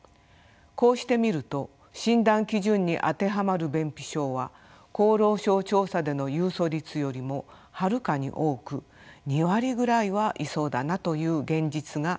こうしてみると診断基準に当てはまる便秘症は厚労省調査での有訴率よりもはるかに多く２割ぐらいはいそうだなという現実が浮かび上がってきます。